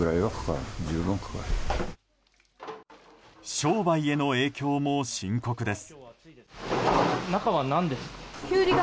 商売への影響も深刻です。